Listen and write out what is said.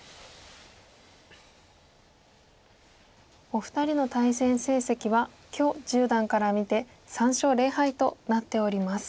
お二人の対戦成績は許十段から見て３勝０敗となっております。